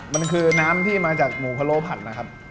มันคือน้ำที่มาจากหมูพะโล้ผัดนะครับ